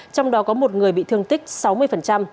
trong đó có một người bị thương tích sáu mươi